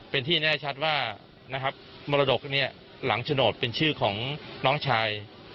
เป็นที่แน่ชัดว่ามรดกหลังจนดเป็นชื่อของน้องชาย